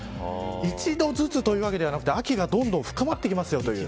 一度ずつというわけではなく秋がどんどん深まっていきますよという。